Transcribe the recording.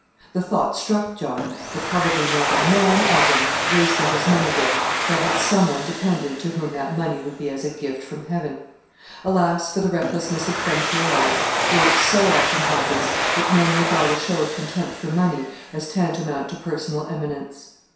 The thought struck John that probably not a man of them, wasting his money there, but had some one dependent to whom that money would be as a gift from heaven. Alas, for the recklessness of frontier life, where it so often happens that men regard a show of contempt for money as tantamount to personal eminence!